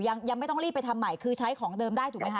ยังไม่ต้องรีบไปทำใหม่คือใช้ของเดิมได้ถูกไหมคะ